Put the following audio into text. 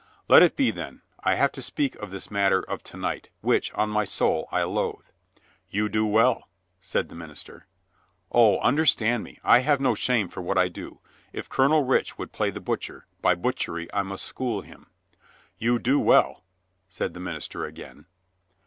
"Let it be, then. I have to speak of this matter of to night, which, on my soul, I loathe." "You do well," said the minister. "O, understand me! I have no shame for what I do. If Colonel Rich would play the butcher, by butchery I must school him." "You do well," said the minister again.